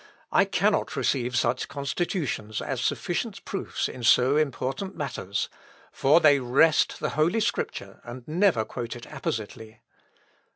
"I cannot receive such constitutions as sufficient proofs in so important matters. For they wrest the Holy Scripture, and never quote it appositely."